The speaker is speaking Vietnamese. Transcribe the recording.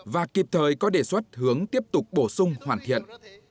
và kịp thời có đề xuất hướng tiếp tục bổ sung hoàn thiện